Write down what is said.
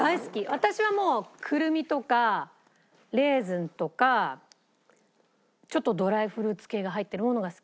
私はもうクルミとかレーズンとかちょっとドライフルーツ系が入ってるものが好き。